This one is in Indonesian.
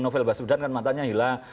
novel baswedan kan matanya hilang